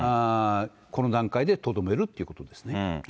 この段階でとどめるということですね。